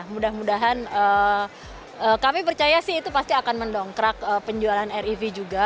mudah mudahan kami percaya sih itu pasti akan mendongkrak penjualan rev juga